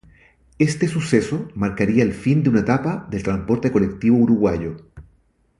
Este suceso marcaría el fin de una etapa del transporte colectivo Uruguayo.